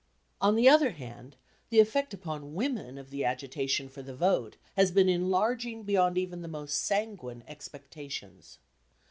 On the other hand, the effect upon women of the agitation for the vote has been enlarging beyond even the most sanguine expectations.